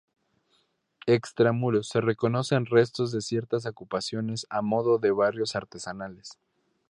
Extramuros se reconocen restos de ciertas ocupaciones a modo de barrios artesanales.